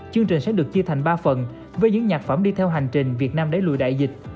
chương trình sẽ được chia thành ba phần với những nhạc phẩm đi theo hành trình việt nam đẩy lùi đại dịch